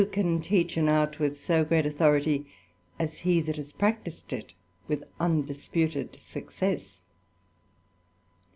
can teach an art with so great authority, as he that practised it with undisputed success